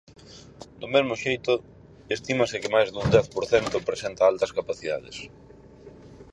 Do mesmo xeito, estímase que máis dun dez por cento presenta altas capacidades.